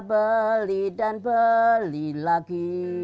beli dan beli lagi